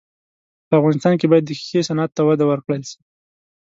په افغانستان کې باید د ښیښې صنعت ته وده ورکړل سي.